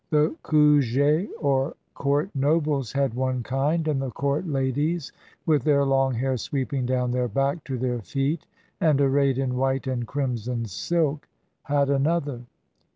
The kuge, or court nobles, had one kind, and the court ladies, with their long hair sweeping down their back to their feet and arrayed in white and crimson silk, had another.